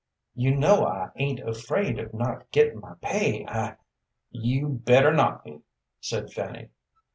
"You know I ain't afraid of not gettin' my pay, I " "You'd better not be," said Fanny.